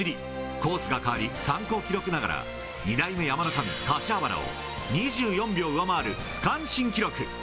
コースが変わり、参考記録ながら、２代目山の神、柏原を２４秒上回る、区間新記録。